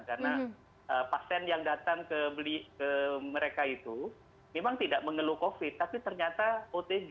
karena pasien yang datang ke mereka itu memang tidak mengeluh covid tapi ternyata otg